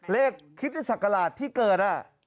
เลขคิปตระสักกราศที่เกิด